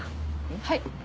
はい。